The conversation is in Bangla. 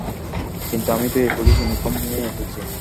কিন্তু আমি তো এই পুলিশ ইউনিফর্ম নিয়ে এসেছি।